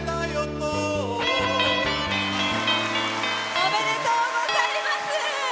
おめでとうございます。